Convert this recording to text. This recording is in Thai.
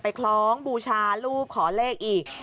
คล้องบูชารูปขอเลขอีก